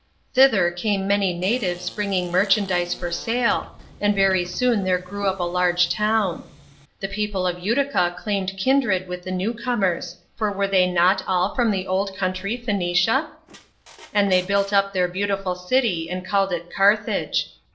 Thither came many natives bringing merchandise for sale, and very soon there grew up a large town/ D 50 PHOENICIAN COLONY. [B.C. 850. The peopk of Utica claimed kindred with the new comers, for were they not all from the old councry Phoenicia ? And they built up their beautiful city, and called it Carthage.